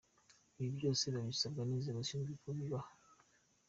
Ibi byose babisabwa n’inzego zishinzwe kubibaha”.